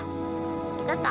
kita tinggal di rumah